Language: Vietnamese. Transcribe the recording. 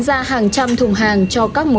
mấy em lấy mấy chục thùng này nó có sẵn không